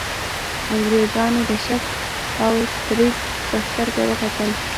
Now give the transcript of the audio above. انګرېزانو د شک او تردید په سترګه وکتل.